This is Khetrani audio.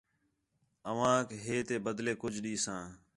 اوانک ہیتے بدلے کُج ݙیساں